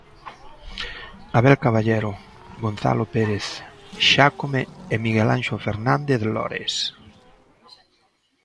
Abel Caballero, Gonzalo Pérez Xácome e Miguel Anxo Fernández Lores.